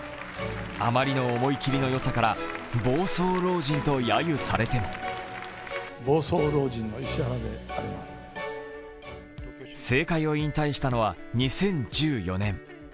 あまりの思い切りのよさから暴走老人と、やゆされても政界を引退したのは２０１４年。